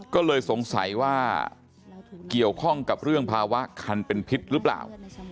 ก็เลยสงสัยว่าเกี่ยวข้องกับเรื่องภาวะคันเป็นพิษหรือเปล่า